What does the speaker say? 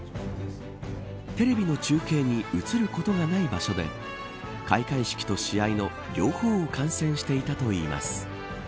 テレビの中継に映ることがない場所で開会式と試合の両方を観戦していたといいます。